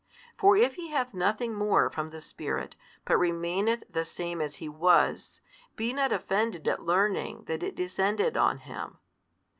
For if He hath nothing more from the Spirit, but remaineth the same as He was, be not offended at learning that It descended on Him.